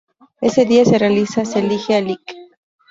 Ese día se realiza se elige al Lic.